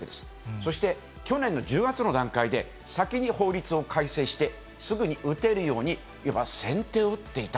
そして去年の１０月の段階で、先に法律を改正して、すぐに打てるように、なるほど。